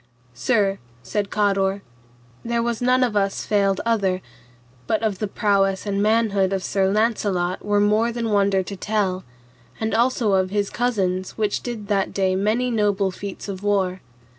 Sir, said Cador, there was none of us failed other, but of the prowess and manhood of Sir Launcelot were more than wonder to tell, and also of his cousins which did that day many noble feats of war.